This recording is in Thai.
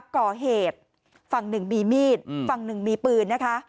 ก่อเหตุฝั่งหนึ่งมีมีดฝั่งหนึ่งมีปืนนะคะ